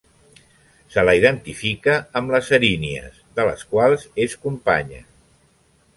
Se la identifica amb les Erínies, de les quals és companya.